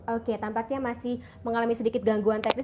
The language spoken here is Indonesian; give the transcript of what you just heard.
oke tampaknya masih mengalami sedikit gangguan teknis